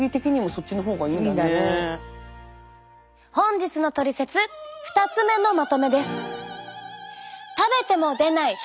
本日のトリセツ２つ目のまとめです。